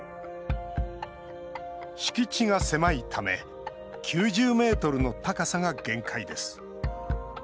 敷地が狭いため９０ｍの高さが限界です。